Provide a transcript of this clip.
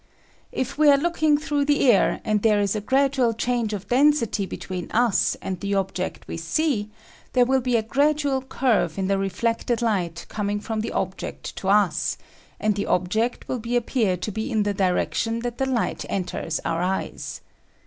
If we are looking through the air and there is a gradual change of density between us and the object we see, there will be a gradual curve in the reflected light coming from the object to us, and the object will appear to be in the direction that the light enters our eyes.